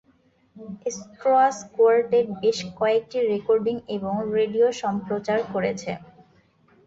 Strauss quartet বেশ কয়েকটি recording এবং রেডিও সম্প্রচার করেছে।